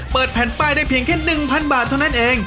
เปิดแผ่นป้ายได้เพียงแค่๑๐๐บาทเท่านั้นเอง